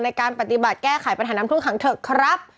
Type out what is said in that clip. ในการปฏิบัติแก้ไขปัญหาน้ำท่วมขังเถอะครับ